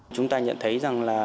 chúng ta nhận thấy rằng là